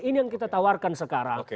ini yang kita tawarkan sekarang